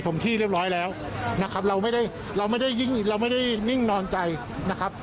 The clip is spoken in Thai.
ที่เรียบร้อยแล้วนะครับเราไม่ได้เราไม่ได้ยิ่งเราไม่ได้นิ่งนอนใจนะครับ